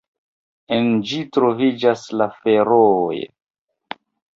En ĝi troviĝas la Ferooj.